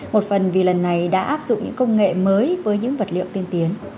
một phần vì lần này đã áp dụng những công nghệ mới với những vật liệu tiên tiến